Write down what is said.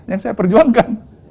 yang saya perjuangkan